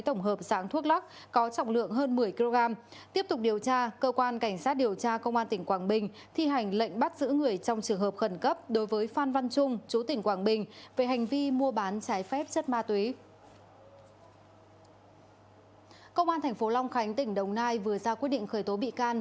công an tp long khánh tỉnh đồng nai vừa ra quyết định khởi tố bị can